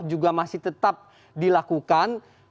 juga masih tetap dilakukan